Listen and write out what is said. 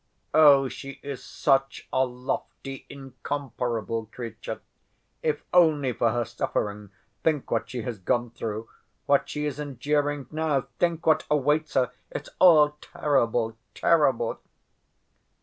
"Oh, she is such a lofty, incomparable creature! If only for her suffering.... Think what she has gone through, what she is enduring now! Think what awaits her! It's all terrible, terrible!"